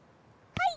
はい！